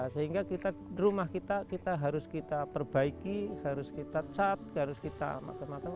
sehingga rumah kita kita harus kita perbaiki harus kita cat harus kita macam macam